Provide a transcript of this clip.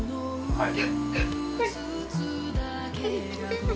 はい。